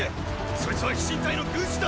そいつは飛信隊の軍師だ！